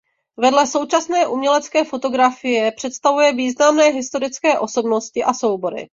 Vedle současné umělecké fotografie představuje významné historické osobnosti a soubory.